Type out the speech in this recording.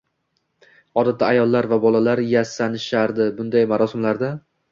odatda ayollar va bolalar yasanishardi bunday marosimlarda